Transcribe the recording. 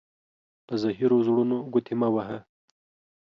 په زهيرو زړونو گوتي مه وهه.